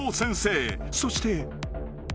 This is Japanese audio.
［そして］